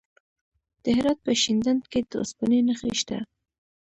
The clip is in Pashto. د هرات په شینډنډ کې د اوسپنې نښې شته.